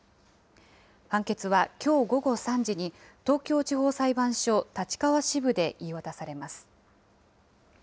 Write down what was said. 判決はきょう午後３時に、東京地方裁判所立川支部で言い渡されます。